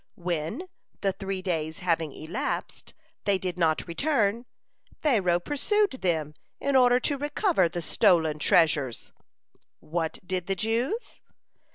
When, the three days having elapsed, they did not return, Pharaoh pursued them in order to recover the stolen treasures. What did the Jews?